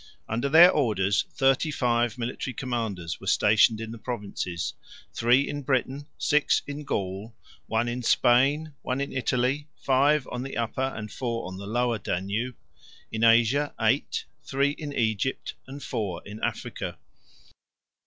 Under their orders, thirty five military commanders were stationed in the provinces: three in Britain, six in Gaul, one in Spain, one in Italy, five on the Upper, and four on the Lower Danube; in Asia, eight, three in Egypt, and four in Africa.